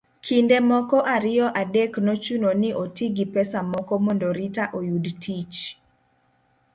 kinde moko ariyo adek nochuno ni oti gi pesa moko mondo Rita oyud tich